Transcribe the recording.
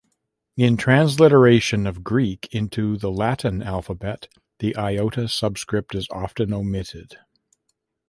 In transliteration of Greek into the Latin alphabet, the iota subscript is often omitted.